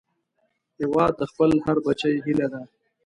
هیواد د خپل هر بچي هيله ده